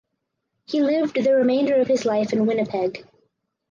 He lived the remainder of his life in Winnipeg.